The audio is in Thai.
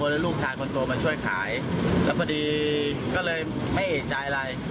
แล้วลูกชายคนโตมาช่วยขายแล้วพอดีก็เลยไม่เอกใจอะไร